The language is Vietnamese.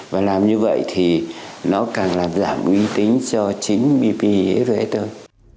và làm như vậy thì nó càng làm giảm uy tín cho chính bpster